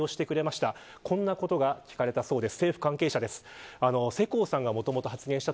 こんなことが聞かれたそうです。